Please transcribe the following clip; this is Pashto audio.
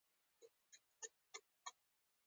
دا ډول اوبه کول په وچو سیمو کې ډېره ګټه لري.